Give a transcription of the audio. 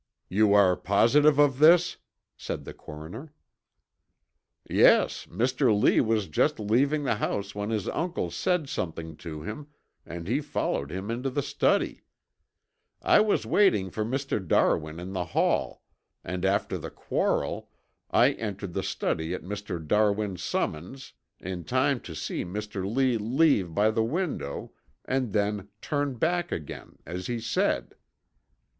"You are positive of this?" said the coroner. "Yes, Mr. Lee was just leaving the house when his uncle said something to him and he followed him into the study. I was waiting for Mr. Darwin in the hall, and after the quarrel, I entered the study at Mr. Darwin's summons in time to see Mr. Lee leave by the window and then turn back again, as he said."